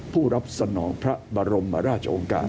ผู้รับสนองพระบรมราชองค์การ